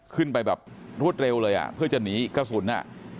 ขึ้นไปแบบรวดเร็วเลยอ่ะเพื่อจะหนีกระสุน